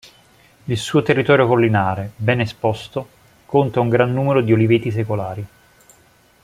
Il suo territorio collinare, ben esposto, conta un gran numero di Oliveti secolari.